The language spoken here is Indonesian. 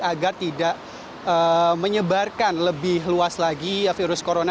agar tidak menyebarkan lebih luas lagi virus corona